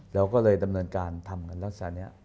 เราก็เลยดำเนินการทำกันลักษณะนี้